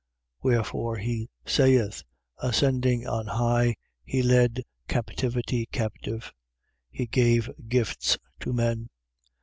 4:8. Wherefore he saith: Ascending on high, he led captivity captive: he gave gifts to men.